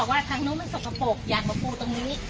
ว่าทางนู้นมันสกปรกอยากมาปูตรงนี้